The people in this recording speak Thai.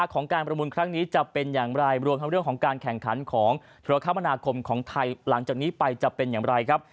ของไทยหลังจากนี้ไปจะเป็นอย่างไรครับ